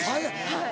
はい。